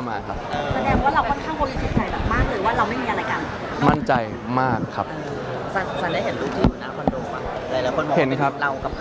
วันของเมื่อกาลด้านมันใจมากครับคิดไหมครับ